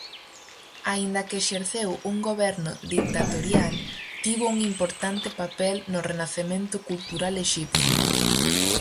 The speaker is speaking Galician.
Aínda que exerceu un goberno ditatorial, tivo un importante papel no renacemento cultural exipcio.